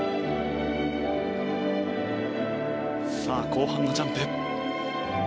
後半のジャンプ。